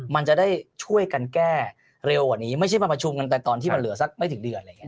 มันจะได้ช่วยกันแก้เร็วกว่านี้ไม่ใช่มาประชุมกันแต่ตอนที่มันเหลือสักไม่ถึงเดือนอะไรอย่างนี้